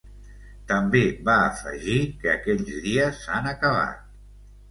També va afegir que "aquells dies s'han acabat".